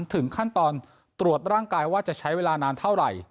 ถึงขั้นตอนตรวจร่างกายว่าจะใช้เวลานานเท่าไหร่